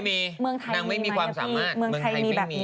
เมืองไทยมีมั้ยเด็บพี่ไทยแป้งมี